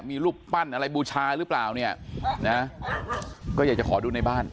มีรูปปั้นอะไรบูชาหรือเปล่าเนี่ยนะก็อยากจะขอดูในบ้าน